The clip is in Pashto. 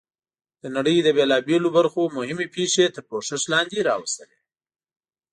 د نړۍ له بېلابېلو برخو مهمې پېښې یې تر پوښښ لاندې راوستلې.